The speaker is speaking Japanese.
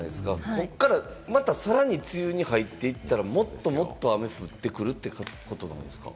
こっからまた、さらに梅雨に入っていったら、もっともっと雨降ってくるっていうことなんですか？